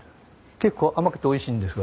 結構甘くておいしいんですが。